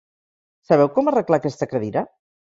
Sabeu com arreglar aquesta cadira?